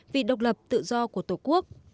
vì độc lập tự do của tổ quốc